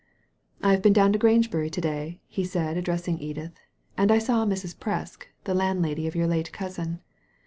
I have been down to Grangebury to day," he said, addressing Edith, " and I saw Mrs. Presk, the landlady of your late cousin.